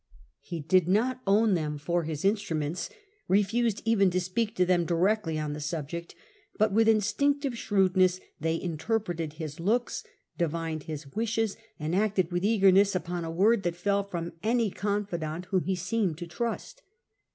He did not own them for his instruments, refused even to speak to them directly on the subject ; but with instinctive shrewdness they interpreted his looks, divined his wishes, and acted with eagerness upon a word that fell from any confidant whom he and increase Seemed to trust.